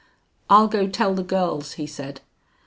"I'll go tell the girls," he said.